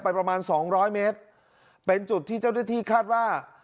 ประมาณสองร้อยเมตรเป็นจุดที่เจ้าหน้าที่คาดว่า